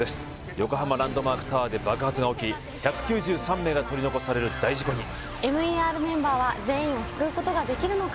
横浜・ランドマークタワーで爆発が起き１９３名が取り残される大事故にＭＥＲメンバーは全員を救うことができるのか？